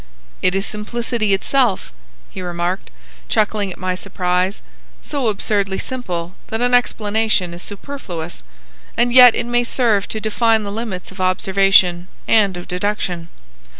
"It is simplicity itself," he remarked, chuckling at my surprise,—"so absurdly simple that an explanation is superfluous; and yet it may serve to define the limits of observation and of deduction.